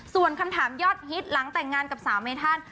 ส่วนคำถามยอดฮิตหลังแต่งงานกับสาวเมธัน